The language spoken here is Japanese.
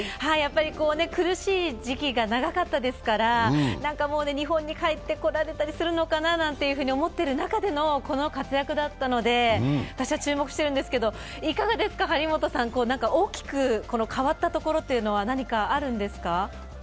苦しい時期が長かったですから、日本に帰ってこられたりするのかななんて思ったりする中でのこの活躍だったので、私は注目してるんですけどいかがですか、張本さん、大きく変わったところというのは何かあるんですか？